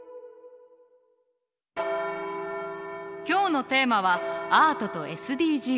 今日のテーマは「アートとＳＤＧｓ」。